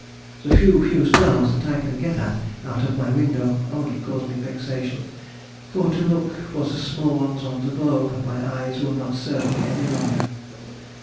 The few, few stars that I can get at out of my window only cause me vexation, for to look for the small ones on the globe my eyes will not serve me any longer.